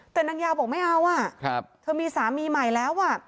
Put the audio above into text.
แต่นางยาวบอกไม่เอาอ่ะเธอมีสามีใหม่แล้ว